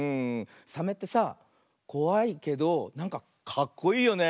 サメってさこわいけどなんかかっこいいよね。